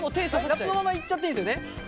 ラップのままいっちゃっていいですよね。